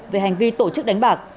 về hành vi tổ chức đánh bạc